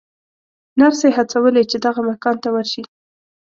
نرسې هڅولې چې دغه مکان ته ورشي.